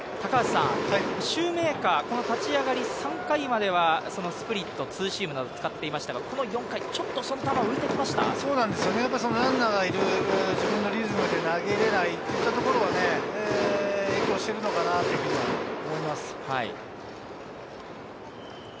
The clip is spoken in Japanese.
シューメーカー、この立ち上がり、３回まではスプリット、ツーシームなど使っていましたが、この４回、ちょっとその球が浮いてきまランナーがいる、自分のリズムで投げれないといったところは影響してるのかなというふうに思います。